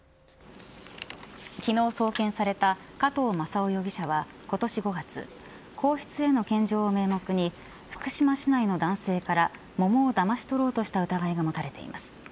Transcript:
昨日送検された加藤正夫容疑者は今年５月皇室への献上を名目に福島市内の男性から桃をだまし取ろうとした疑いが持たれています。